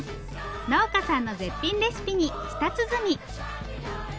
農家さんの絶品レシピに舌鼓。